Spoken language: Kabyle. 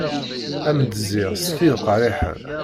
Ad m-d-zziɣ s tid qerriḥen.